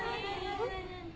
えっ？